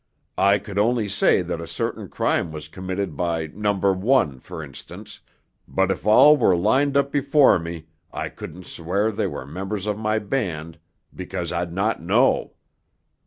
I could only say that a certain crime was committed by Number One, for instance—but if all were lined up before me I couldn't swear they were members of my band, because I'd not know.